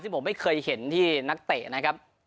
ซึ่งผมไม่เคยเห็นที่นักเตะนะครับ